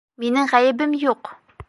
Минең ғәйебем юҡ!